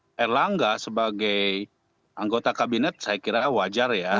pak erlangga sebagai anggota kabinet saya kira wajar ya